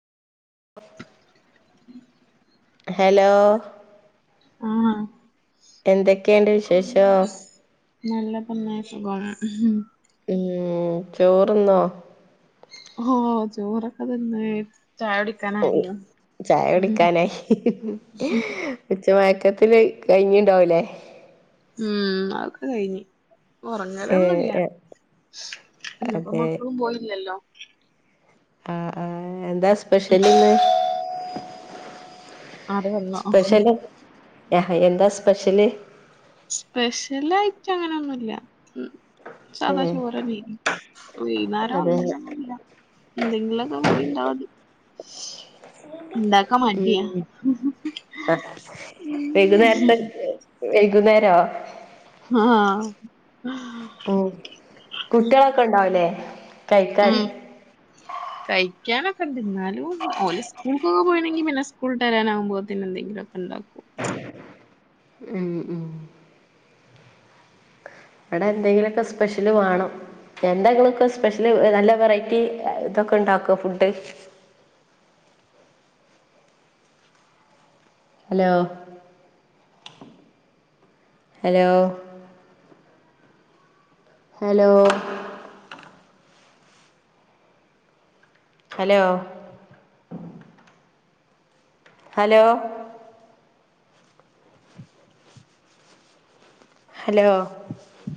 Hello? ആഹ് എന്തൊക്കേണ്ട്? നല്ല തന്നെ സുഖാണ്. ഏഹ് ചോറുന്നോ? ഓഹ് ചോറൊക്കെതിന്ന് ചായുടി ചായുകടിക്കാനായി. ഉച്ച മയക്കത്തില് കഴിഞ്ഞീണ്ടാവുല്ലേ? ഉം അതൊക്കെ കഴിഞ്ഞ്. ഏ ഒറങ്ങല്ലൊന്നുല്ല എ, ഇന്ന്പ്പോ അതെ മക്കളും പോയില്ലല്ലോ. ആഹ് ആഹ് എന്താ സ്പെഷ്യല്ന്ന്? ആര് വന്നോ സ്പെഷ്യല് ആഹ് എന്താ സ്പെഷ്യല്? സ്പെഷലായിട്ടങ്ങനൊന്നുല്ല. സദാ ഏ ചോറല്ലീ വൈന്നേരം അതെ അങ്ങനൊന്നുല്ല. എന്തെങ്കിലൊക്കെ കടിണ്ടാതി. ഉം എ വൈകുന്നേരം ന്നേരത്തെ ഉം. വൈകുന്നേരോ? ആഹ്ഹാ ഉം കുട്ടിയാളൊക്കെ ഇണ്ടാവൂലേ കഴിക്കാൻ? ഉം കഴിക്കാനൊക്കെണ്ട് ഇന്നാലും ഓല് സ്കൂൾക്കൊക്കെ പോയിണങ്കി പിന്നെ സ്കൂൾട്ടെരാനാവുമ്പോത്തിന്നെ എന്തെങ്കിലൊക്കെ ഉണ്ടാക്കും ഉം ഉം ഇവിടെ എന്തെങ്കിലുമൊക്കെ സ്പെഷ്യല് വേണം. എന്തെഇങ്ങളോക്കെ സ്പെഷ്യല് നല്ല വെറൈറ്റി ഇതൊക്കെ ഇണ്ടാക്കോ food. Hello hello hello? Hello? Hello? Hello?